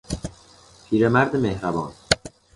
پیرمرد مهربان